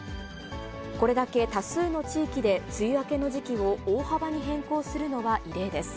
これだけ多数の地域で梅雨明けの時期を大幅に変更するのは異例です。